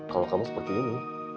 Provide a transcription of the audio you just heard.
kalau kamu seperti ini